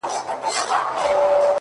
او ته خبر د کوم غریب د کور له حاله یې؛